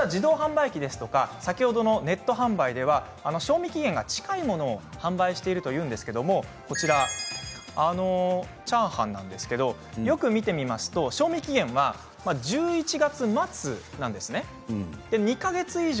こうした自動販売機や先ほどのネット販売では賞味期限が近いものを販売しているということなんですがこちらのチャーハンよく見てみると賞味期限は１１月末なんです。